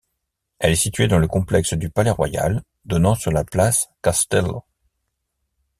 Elle est située dans le complexe du Palais royal, donnant sur la place Castello.